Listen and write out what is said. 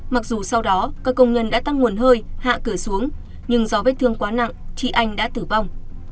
mặc dù sau đó các công nhân đã tăng nguồn hơi hạ cửa xuống nhưng do vết thương quá nặng chị anh đã tử vong